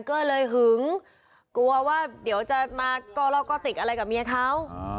ก็เลยหึงกลัวว่าเดี๋ยวจะมาก้อลอกก้อติกอะไรกับเมียเขา